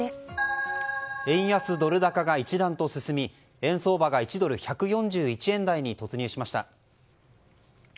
円安ドル高が一段と進み円相場が１ドル＝１４１円台に突入しました。